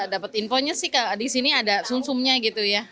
dapat infonya sih di sini ada sum sumnya gitu ya